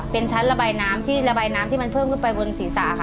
เป็นชั้นระบายน้ำที่มันเพิ่มขึ้นไปบนศีรษะค่ะ